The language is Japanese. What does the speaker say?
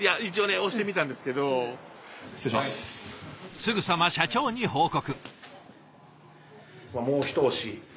すぐさま社長に報告。